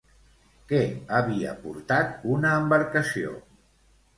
Què havia portat una embarcació?